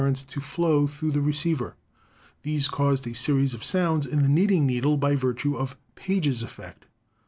rents to flow through the receiver. These caused a series of sounds in the knitting needle by virtue of 'Page's ef fect.'